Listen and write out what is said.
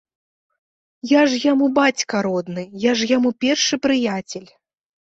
Я ж яму бацька родны, я ж яму першы прыяцель.